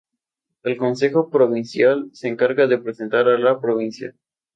El Consejo Provincial se encarga de representar a la provincia.